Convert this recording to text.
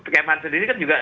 kmn sendiri kan juga